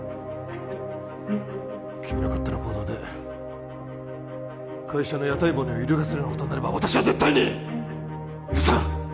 君の勝手な行動で会社の屋台骨を揺るがすようなことになれば私は絶対に許さん